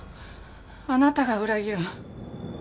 あなたが裏切るん？